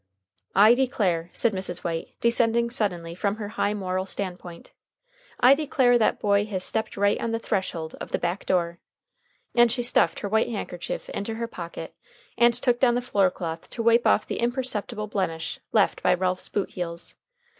"I declare," said Mrs. White, descending suddenly from her high moral stand point, "I declare that boy has stepped right on the threshold of the back door," and she stuffed her white handkerchief into her pocket, and took down the floor cloth to wipe off the imperceptible blemish left by Ralph's boot heels.